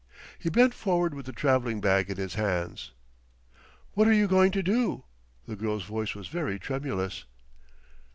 He bent forward with the traveling bag in his hands. "What are you going to do?" The girl's voice was very tremulous.